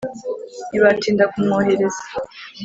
Ntibatinda kumwohereza.